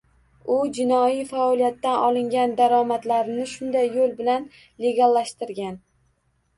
U jinoiy faoliyatdan olingan daromadlarini shunday yo‘l bilan legallashtirgan